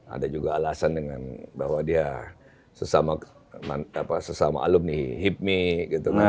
ada juga alasan dengan bahwa dia sesama alumni hipmi gitu kan